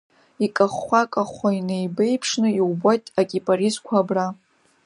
Икахәхәа-кахәхәа инеибеиԥшны, иубоит акипарисқәа абра.